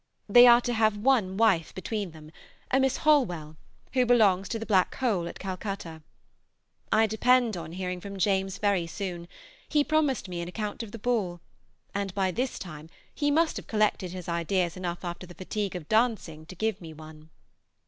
They are to have one wife between them, a Miss Holwell, who belongs to the Black Hole at Calcutta. I depend on hearing from James very soon; he promised me an account of the ball, and by this time he must have collected his ideas enough after the fatigue of dancing to give me one.